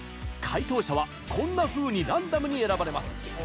解答者は、こんなふうにランダムに選ばれます。